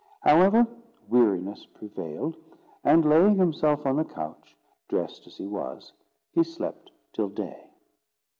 However, weariness prevailed; and laying himself on the couch, dressed as he was, he slept till day.